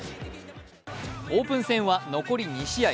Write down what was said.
オープン戦は残り２試合。